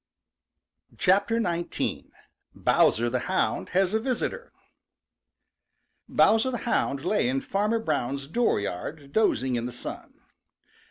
XIX. BOWSER THE HOUND HAS A VISITOR |BOWSER the Hound lay in Fanner Brown's dooryard dozing in the sun.